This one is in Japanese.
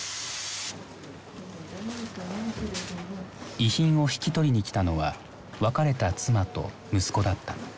遺品を引き取りにきたのは別れた妻と息子だった。